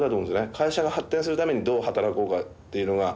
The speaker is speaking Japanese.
会社が発展するためにどう働こうかっていうのが。